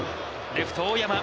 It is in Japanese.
レフト大山。